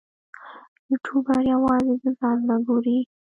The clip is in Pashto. یوټوبر یوازې د ځان مه ګوري.